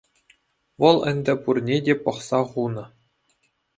Вӑл ӗнтӗ пурне те пӑхса хунӑ.